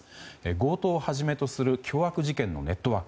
強盗をはじめとする凶悪事件のネットワーク。